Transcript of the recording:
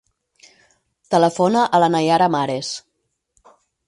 Telefona a la Nayara Mares.